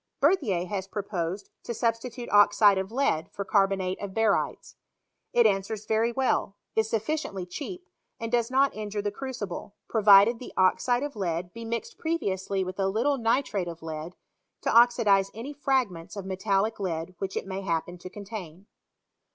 Berthier has proposed to sub stitute oxide of lead for carbonate of barytes. It answers very well, is sufficiently cheap, and does sot injure the crucible, provided the oxide of lead be mixed previously with a little nitrate of lead, to oxidize any fragments of metallic lead which it may happen to contain.